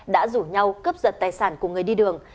đã rủ nhau cướp giật tài sản của người đi đường